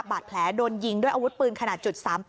บาดแผลโดนยิงด้วยอาวุธปืนขนาด๓๘